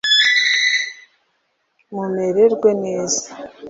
mumererwe neza